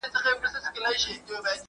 دا لا څه چي ټول دروغ وي ټول ریا وي